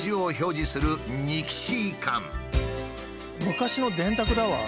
昔の電卓だわ。